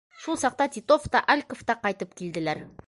Шул саҡта Титов та, Альков та ҡайтып килделәр.